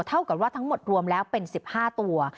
เท่ากับว่าทั้งหมดรวมแล้วเป็น๑๕ตัว